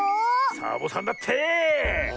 サボさんだって！